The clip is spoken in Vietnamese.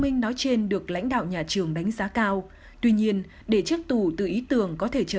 minh nói trên được lãnh đạo nhà trường đánh giá cao tuy nhiên để trước tù từ ý tưởng có thể trở